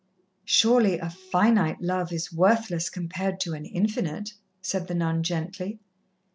"Surely a finite love is worthless compared to an Infinite," said the nun gently.